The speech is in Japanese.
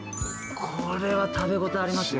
これは食べ応えありますよ。